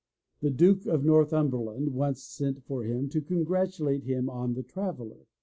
The Duke of Northumberland once sent for him to congratulate him on The Traveller.